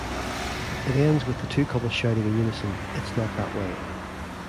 It ends with the two couples shouting in unison It's not that way.